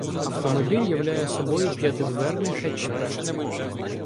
Автомобіль являє собою п'ятидверний хетчбек.